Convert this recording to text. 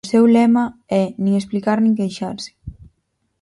O seu lema é nin explicar nin queixarse.